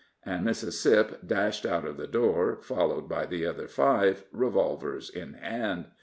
And Mississip dashed out of the door, followed by the other five, revolvers in hand.